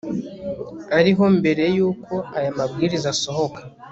ariho mbere y uko aya mabwiriza asohoka